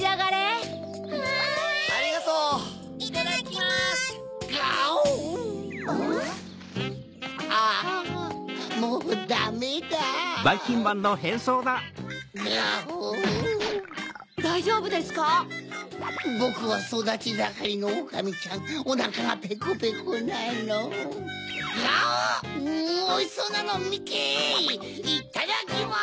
いただきます！